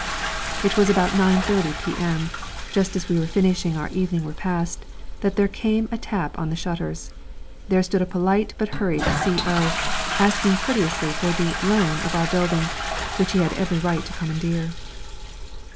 It was about 9.30 P.M., just as we were finishing our evening repast, that there came a tap on the shutters. There stood a polite but hurried C.O. asking courteously for the loan of our building, which he has every right to commandeer.